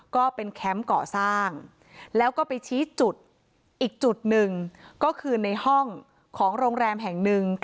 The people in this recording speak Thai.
ก็เป็นแคมป์ก่อสร้างแล้วก็ไปชี้จุดอีกจุดหนึ่งก็คือในห้องของโรงแรมแห่งหนึ่ง